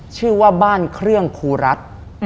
ชื่อว่าบ้านเครื่องครูรัฐ